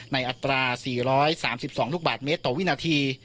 อัตรา๔๓๒ลูกบาทเมตรต่อวินาที